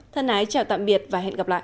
thân ái chào tạm biệt và hẹn gặp lại